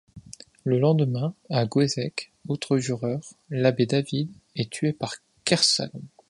Le lendemain, à Gouézec, autre jureur, l'abbé David, est tué par Kersalaun.